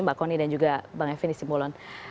mbak connie dan juga bang evin di simbolon